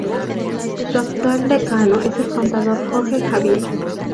Su actual decano es el contador Jorge Xavier.